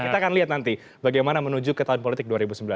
kita akan lihat nanti bagaimana menuju ke tahun politik dua ribu sembilan belas